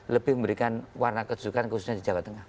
lebih memberikan warna kejukan khususnya di jawa tengah